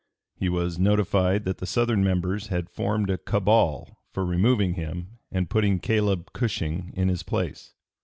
He was notified that the Southern members had formed a cabal for removing him and putting Caleb Cushing in his place.